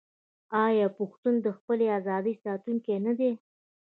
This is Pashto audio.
آیا پښتون د خپلې ازادۍ ساتونکی نه دی؟